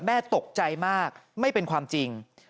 แม่ตกใจมากไม่เป็นความจริง